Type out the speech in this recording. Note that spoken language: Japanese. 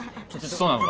そうなのか？